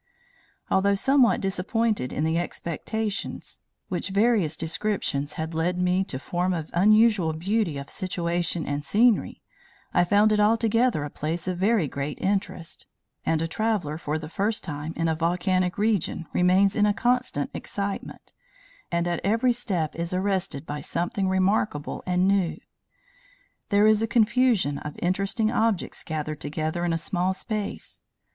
"Although somewhat disappointed in the expectations which various descriptions had led me to form of unusual beauty of situation and scenery, I found it altogether a place of very great interest; and a traveller for the first time in a volcanic region remains in a constant excitement, and at every step is arrested by something remarkable and new. There is a confusion of interesting objects gathered together in a small space.